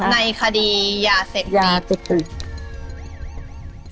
ในคดียาจะติด